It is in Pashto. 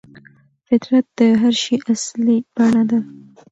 فطرت د هر شي اصلي بڼه ده.